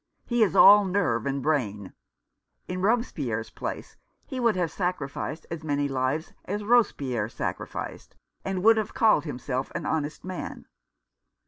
He is all nerve and brain. In Robespierre's place he would have sacrificed as many lives as Robespierre sacrificed, and would have called himself an honest man.